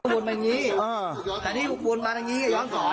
มันวนมาอย่างนี้แต่นี่มันวนมาอย่างนี้ก็ย้อนสอนค่ะ